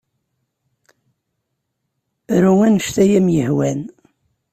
Ru anect ay am-yehwan.